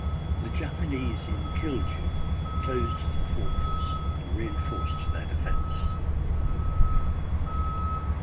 The Japanese in Kilju closed the fortress and reinforced their defence.